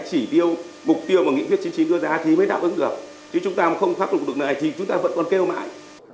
chỉ điêu mục tiêu mà nghị quyết chính trị đưa ra thì mới đạo ứng được chứ chúng ta không khắc phục được này thì chúng ta vẫn còn kêu mãi